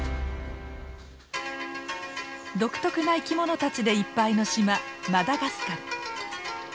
独特な生き物たちでいっぱいの島マダガスカル。